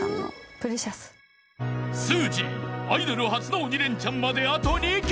［すーじーアイドル初の鬼レンチャンまであと２曲］